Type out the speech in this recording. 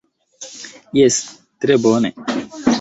Jes tre bone!